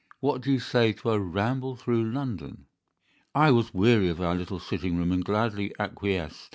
What do you say to a ramble through London?" I was weary of our little sitting room and gladly acquiesced.